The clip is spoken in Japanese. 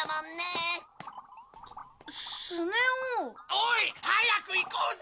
おい早く行こうぜ！